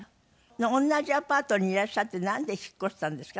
同じアパートにいらっしゃってなんで引っ越したんですか？